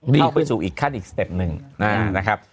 ไปสู่อีกขั้นอีกสเต็ปหนึ่งนะครับ